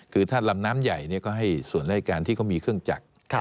คือถ้าลำน้ำใหญ่ก็ให้ส่วนรายการที่เขามีเครื่องจักร